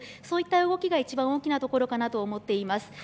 そういった動きが一番大きなところかなと思っています。